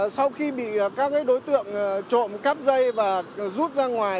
sau khi bị các đối tượng trộn cáp dây và rút ra ngoài